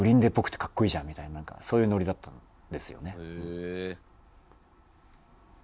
みたいななんかそういうノリだったんですよね。